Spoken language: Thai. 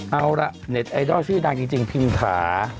เอาล่ะเน็ตไอดอลชื่อดังจริงพิมถา